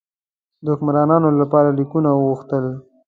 د حکمرانانو لپاره لیکونه وغوښتل.